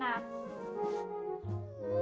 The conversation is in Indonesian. yah ah gitu dong